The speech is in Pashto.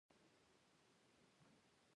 پنېر د بازار مشهوره توکي دي.